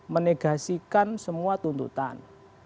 menegasikan semua tuntutan